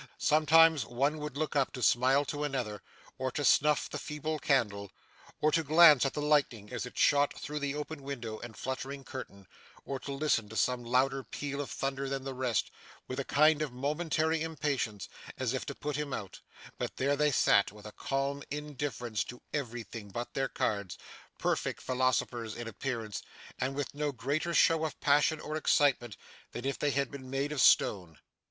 Sometimes one would look up to smile to another, or to snuff the feeble candle, or to glance at the lightning as it shot through the open window and fluttering curtain, or to listen to some louder peal of thunder than the rest, with a kind of momentary impatience, as if it put him out; but there they sat, with a calm indifference to everything but their cards, perfect philosophers in appearance, and with no greater show of passion or excitement than if they had been made of stone.